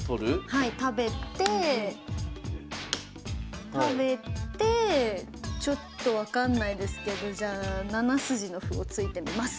はい食べて食べてちょっと分かんないですけどじゃあ７筋の歩を突いてみます。